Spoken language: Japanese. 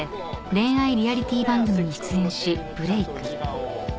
恋愛リアリティー番組に出演しブレーク］